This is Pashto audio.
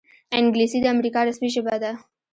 انګلیسي د امریکا رسمي ژبه ده